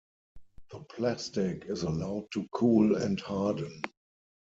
The plastic is allowed to cool and harden.